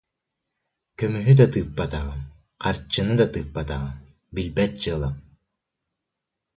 Көмүһү да тыыппатаҕым, харчыны да тыыппатаҕым, билбэт дьыалам